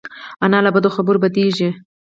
انا له بدو خبرو بدېږي